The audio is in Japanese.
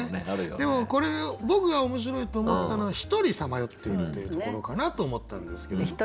でもこれ僕が面白いと思ったのはひとりさまよっているっていうところかなと思ったんですけど。